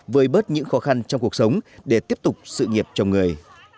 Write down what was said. với bớt những khó khăn trong cuộc sống để tiếp tục sự nghiệp trong người